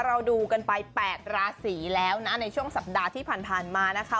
เราดูกันไป๘ราศีแล้วนะในช่วงสัปดาห์ที่ผ่านมานะคะ